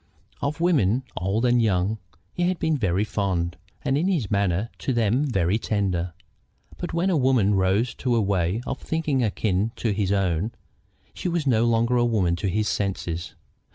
Of women, old and young, he had been very fond, and in his manner to them very tender; but when a woman rose to a way of thinking akin to his own, she was no longer a woman to his senses.